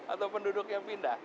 atau penduduknya pindah